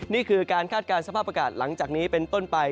นี่คือการคาดการณ์สภาพอากาศหลังจากนี้เป็นต้นไป